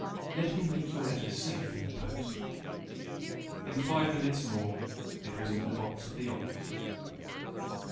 "Let me make your letter safe in the post." In five minutes more it was in the box at the office.